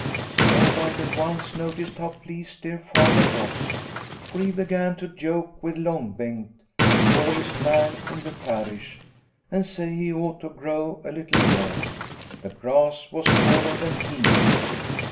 Snow White at once noticed how pleased dear Father was, for he began to joke with Long Bengt, the tallest man in the parish, and say he ought to grow a little more. The grass was taller than he.